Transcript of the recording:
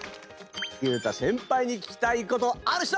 裕太先輩に聞きたいことある人？